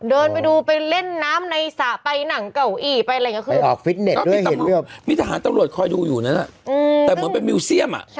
เดินไปดูไปเล่นน้ำในสระไปหนังเก่าอีไปอะไรอย่างนี้คือ